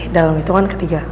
dalam hitungan ketiga